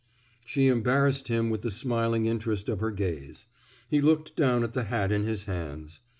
She embarrassed him with the smiling interest of her gaze. He looked down at the hat in his hands.